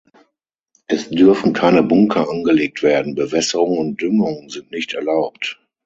Es dürfen keine Bunker angelegt werden, Bewässerung und Düngung sind nicht erlaubt.